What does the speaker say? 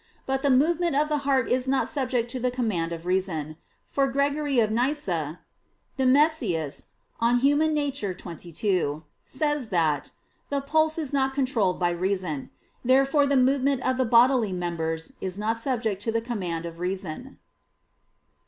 But the movement of the heart is not subject to the command of reason: for Gregory of Nyssa [*Nemesius, De Nat. Hom. xxii.] says that "the pulse is not controlled by reason." Therefore the movement of the bodily members is not subject to the command of reason.